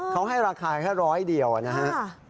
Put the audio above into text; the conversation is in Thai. เขาให้ราคาแค่ร้อยเดียวนะฮะ